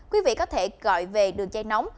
quý vị có thể gọi về đường chai nóng